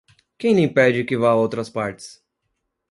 Quem lhe impede que vá a outras partes?